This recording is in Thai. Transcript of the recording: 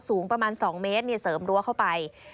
สูงประมาณ๒เมตรเสริมรั้วเข้าไป